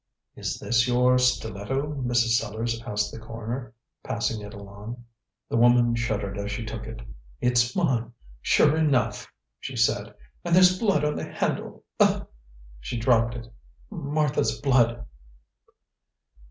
"Is this your stiletto, Mrs. Sellars?" asked the coroner, passing it along. The woman shuddered as she took it. "It's mine, sure enough," she said. "And there's blood on the handle. Ugh!" she dropped it. "Martha's blood!"